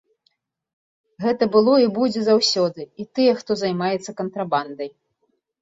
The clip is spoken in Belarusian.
Гэта было і будзе заўсёды, і тыя, хто займаецца кантрабандай.